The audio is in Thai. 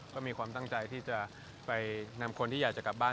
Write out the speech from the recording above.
ก็มีความตั้งใจที่จะไปนำคนที่อยากจะกลับบ้าน